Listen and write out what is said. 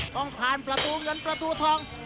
ต้องผ่านประตูเงินประตูทอง